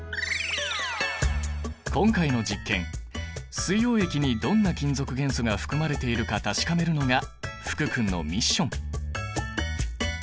今回の実験水溶液にどんな金属元素が含まれているか確かめるのが福君のミッション！